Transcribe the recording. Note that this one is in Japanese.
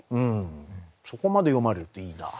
そこまで読まれるっていいなあ。